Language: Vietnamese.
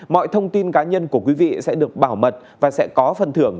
mọi thông tin cá nhân của quý vị sẽ được bảo mật và sẽ có phần thưởng